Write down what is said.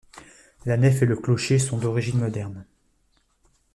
La nef et le clocher sont d'origine moderne.